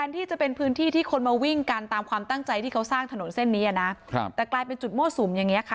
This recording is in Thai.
แต่กลายเป็นจุดโมสุมอย่างนี้ค่ะ